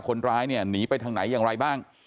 คนร้ายเนี่ยหนีไปทางไหนอย่างไรบ้าง